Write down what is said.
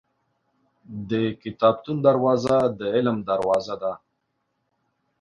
• د کتابتون دروازه د علم دروازه ده.